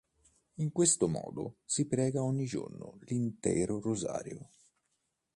In questo modo si prega ogni giorno l'intero rosario.